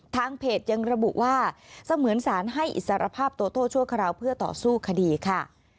ทางเพจยังระบุว่าเสมือนสารให้อิสรภาพโต้ชั่วคราวเพื่อต่อสู้คดีค่ะ